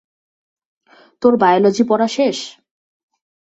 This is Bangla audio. তোর বায়োলজি পড়া শেষ?